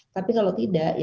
tapi kalau tidak